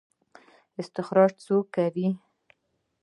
استخراج څوک کوي؟